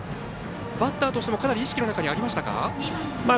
バッターとしてもかなり意識の中にありましたか。